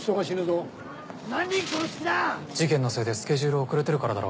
事件のせいでスケジュール遅れてるからだろうけど。